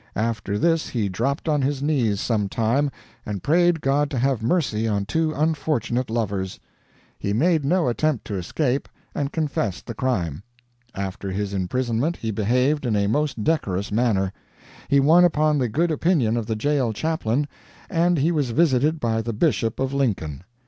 After this he dropped on his knees some time, and prayed God to have mercy on two unfortunate lovers. He made no attempt to escape, and confessed the crime. After his imprisonment he behaved in a most decorous manner; he won upon the good opinion of the jail chaplain, and he was visited by the Bishop of Lincoln.